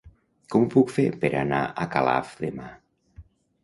Com ho puc fer per anar a Calaf demà?